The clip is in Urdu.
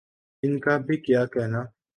ان کا بھی کیا کہنا۔